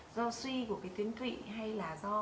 do suy của cái tuyến thụy hay là do